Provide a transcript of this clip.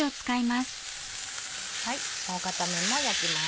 もう片面も焼きます。